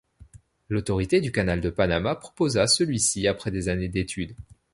L'autorité du Canal de Panama proposa celui-ci après des années d'étude.